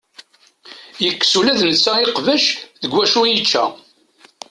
Yekkes ula d netta iqbac deg wacu i yečča.